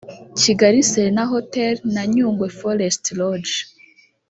Kigali Serena Hotel na Nyungwe Forest Lodge